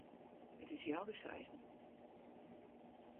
It is healwei seizen.